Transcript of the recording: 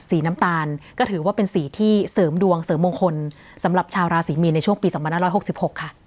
สีน้ำตาลก็ถือว่าเป็นสีที่เสริมดวงเสริมมงคลสำหรับชาวราศีมีนในช่วงปี๒๕๖๖ค่ะ